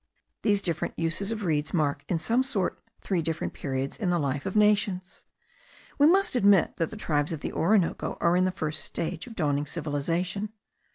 These different uses of reeds mark in some sort three different periods in the life of nations. We must admit that the tribes of the Orinoco are in the first stage of dawning civilization.